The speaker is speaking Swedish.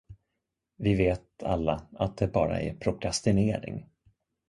Vi vet alla att det bara är prokrastinering.